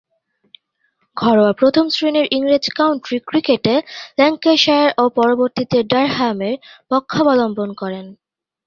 ঘরোয়া প্রথম-শ্রেণীর ইংরেজ কাউন্টি ক্রিকেটে ল্যাঙ্কাশায়ার ও পরবর্তীতে ডারহামের পক্ষাবলম্বন করেন।